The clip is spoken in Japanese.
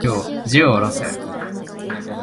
銃を下ろせ。